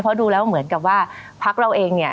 เพราะดูแล้วเหมือนกับว่าพักเราเองเนี่ย